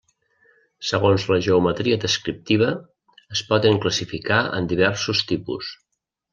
Segons la geometria descriptiva es poden classificar en diversos tipus.